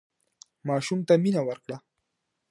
ماشوم ته مينه ورکړه